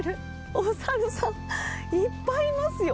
おサルさん、いっぱいいますよ。